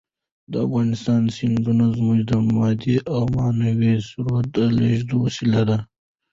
د افغانستان سیندونه زموږ د مادي او معنوي ثروت د لېږد وسیله ده.